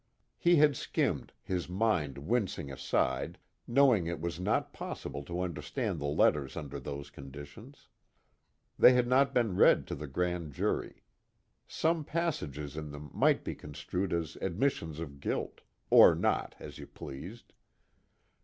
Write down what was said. He had skimmed, his mind wincing aside, knowing it was not possible to understand the letters under those conditions. They had not been read to the grand jury. Some passages in them might be construed as admissions of guilt or not, as you pleased.